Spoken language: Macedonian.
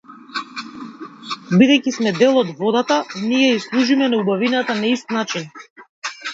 Бидејќи сме дел од водата, ние ѝ служиме на убавината на ист начин.